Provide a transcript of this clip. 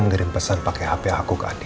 mengirim pesan pakai hp aku ke andin